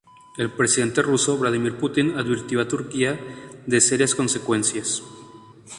El presidente ruso, Vladimir Putin, advirtió a Turquía de serias consecuencias.